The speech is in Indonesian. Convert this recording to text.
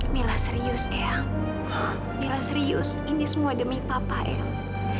mila serius ya mila serius ini semua demi papa ya